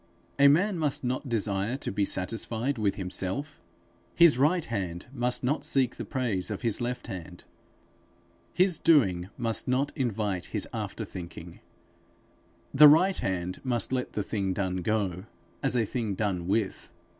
A man must not desire to be satisfied with himself. His right hand must not seek the praise of his left hand. His doing must not invite his after thinking. The right hand must let the thing done go, as a thing done with.